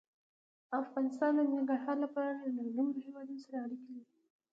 افغانستان د ننګرهار له پلوه له نورو هېوادونو سره اړیکې لري.